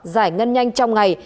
giải ngân nhanh trong ngày